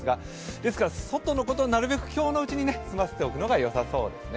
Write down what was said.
ですから外のことは、なるべく今日のうちに済ませておくのがよさそうです。